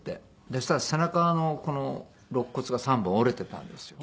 でそしたら背中のこの肋骨が３本折れていたんですよ。